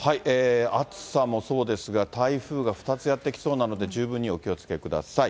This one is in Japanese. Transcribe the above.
暑さもそうですが、台風が２つやって来そうなので、十分にお気をつけください。